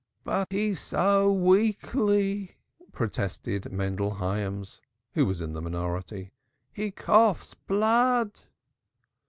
"But he's so weakly," protested Mendel Hyams, who was in the minority. "He coughs blood."